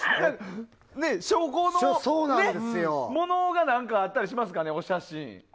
証拠のものが何かあったりしますかね。